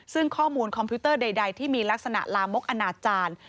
ซึ่งข้อมูลคอมพิวเตอร์ใดที่มีลักษณะลามกอนาจารย์